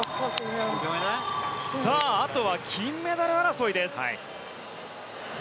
あとは金メダル争いです。